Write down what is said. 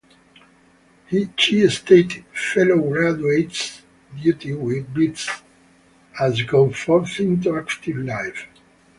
She stated, Fellow-graduates: duty bids us go forth into active life.